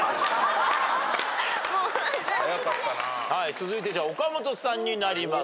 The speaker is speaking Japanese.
続いて岡本さんになります。